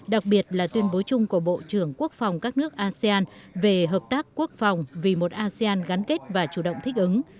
đặc biệt là tuyên bố chung của bộ trưởng quốc phòng các nước asean về hợp tác quốc phòng vì một asean gắn kết và chủ động thích ứng